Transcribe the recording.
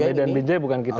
jambai dan bidje bukan kita